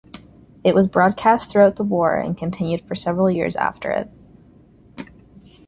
It was broadcast throughout the war and continued for several years after it.